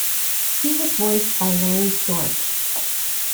He was voiced by Larry Storch.